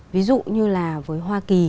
ví dụ như là với hoa kỳ